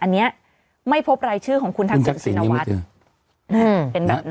อันนี้ไม่พบรายชื่อของคุณทางสิงห์สินวัตร